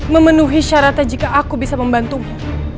memenuhi syaratnya jika aku bisa membantumu